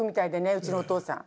うちのお父さん。